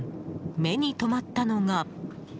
目に留まったのが。